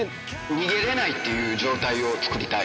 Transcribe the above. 逃げれないっていう状態を作りたい。